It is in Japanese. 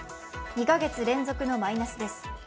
２カ月連続のマイナスです。